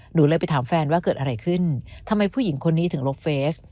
หนูเลยไปถามแฟนว่าเกิดอะไรขึ้นทำไมผู้หญิงคนนี้ถึงลบเฟส